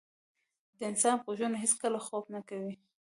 د انسان غوږونه هیڅکله خوب نه کوي.